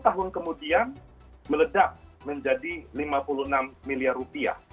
dua puluh tahun kemudian meledak menjadi lima puluh enam miliar rupiah